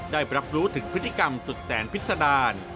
ได้รับรู้ถึงพฤติกรรมสุดแสนพิษดาร